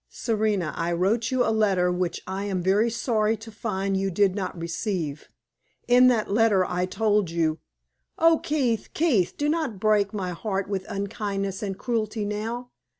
Serena, I wrote you a letter which I am very sorry to find you did not receive. In that letter I told you " "Oh, Keith! Keith! do not break my heart with unkindness and cruelty now!"